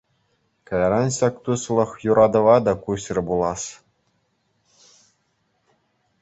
Кайран ҫак туслӑх юратӑва та куҫрӗ пулас.